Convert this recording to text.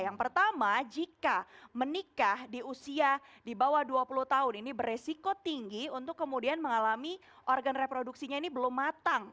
yang pertama jika menikah di usia di bawah dua puluh tahun ini beresiko tinggi untuk kemudian mengalami organ reproduksinya ini belum matang